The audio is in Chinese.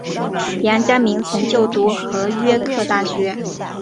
梁嘉铭曾就读和约克大学。